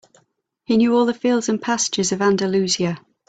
He knew all the fields and pastures of Andalusia.